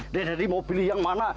dprd mau pilih yang mana